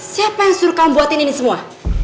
siapa yang suruh kamu buatin ini semua